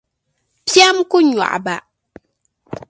piɛma ku nyɔɣi ba.